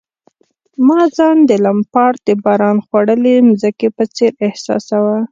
ما ځان د لمپارډ د باران خوړلي مځکې په څېر احساساوه.